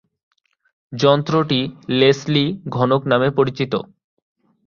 যন্ত্রটি লেসলি ঘনক নামে পরিচিত।